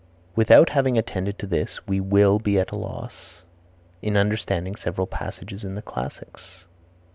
"Without having attended to this, we will be at a loss, in understanding several passages in the classics."